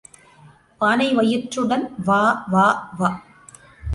பானை வயிற்றுடன் வா வா வா.